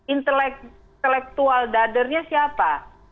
intelektual dadernya siapa